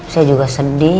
saya juga sedih